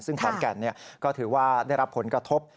ซึ่งขอนแก่นก็ถือว่าได้รับผลกระทบ